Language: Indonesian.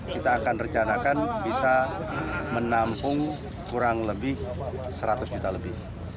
kita akan rencanakan bisa menampung kurang lebih seratus juta lebih